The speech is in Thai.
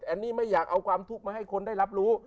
อันนี้ไม่อยากเอาความทุกข์มาให้คนได้รับรู้